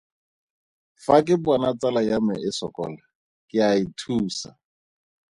Fa ke bona tsala ya me e sokola, ke a e thusa.